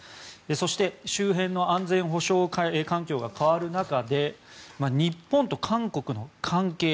そして、周辺の安全保障環境が変わる中で日本と韓国の関係